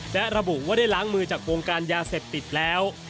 และระบุว่าได้ล้างมือจากวงการยาเสพติดแล้ว